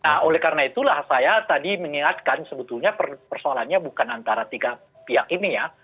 nah oleh karena itulah saya tadi mengingatkan sebetulnya persoalannya bukan antara tiga pihak ini ya